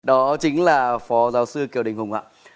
đó chính là phó giáo sư kiều đình hùng ạ